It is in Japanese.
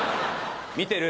見てる？